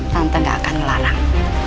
tante gak akan ngelarang